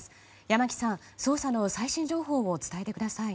山木さん、捜査の最新情報を伝えてください。